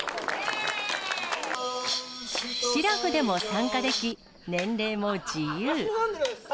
しらふでも参加でき、年齢も自由。